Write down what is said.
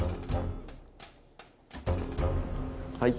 はい。